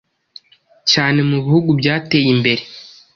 cyane mu bihugu byateye imbere